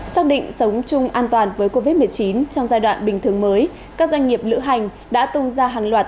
xác định sống chung an toàn với covid một mươi chín trong giai đoạn bình thường mới các doanh nghiệp lữ hành đã tung ra hàng loạt